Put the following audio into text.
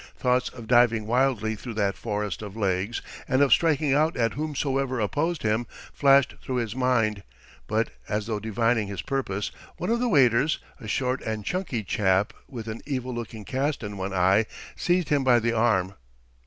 Thoughts of diving wildly through that forest of legs, and of striking out at whomsoever opposed him, flashed through his mind; but, as though divining his purpose, one of the waiters, a short and chunky chap with an evil looking cast in one eye, seized him by the arm.